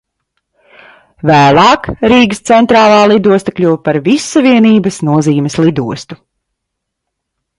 Vēlāk Rīgas Centrālā lidosta kļuva par Vissavienības nozīmes lidostu.